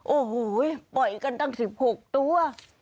โอ้โหปล่อยกันตั้ง๑๖ตัว